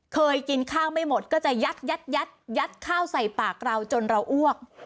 เคยกินข้าวไม่หมดก็จะยัดข้าวใส่ปากเราจนเราอ้วก